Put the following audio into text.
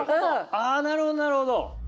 あなるほどなるほど。